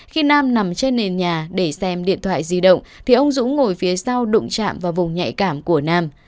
khi nam nằm trên nền nhà để xem điện thoại di động thì ông dũng ngồi phía sau đụng chạm vào vùng nhạy cảm của nam